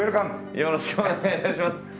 よろしくお願いします。